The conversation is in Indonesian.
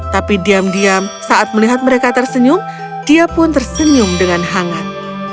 tapi diam diam saat melihat mereka tersenyum dia pun tersenyum dengan hangat